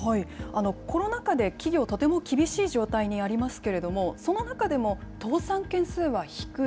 コロナ禍で企業、とても厳しい状態にありますけれども、その中でも倒産件数は低い。